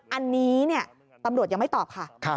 อันนี้ตำรวจยังไม่ตอบค่ะ